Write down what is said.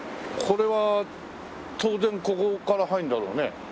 これは当然ここから入るんだろうね。